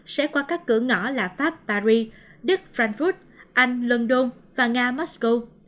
sẽ qua các cửa ngõ là pháp paris đức frankfurt anh london và nga mosco